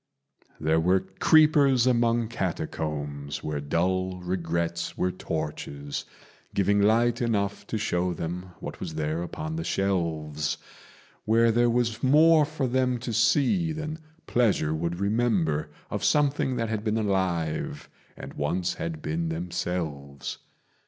There were creepers among catacombs where dull regrets were torches, Giving light enough to show them what was there upon the shelves Where there was more for them to see than pleasure would remember Of something that had been alive and once had been themselves.